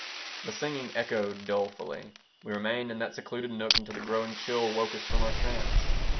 The singing echoed dolefully. We remained in that secluded nook until the growing chill woke us from our trance.